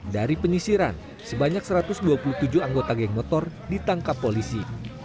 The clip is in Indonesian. dari penyisiran sebanyak satu ratus dua puluh tujuh anggota geng motor ditangkap polisi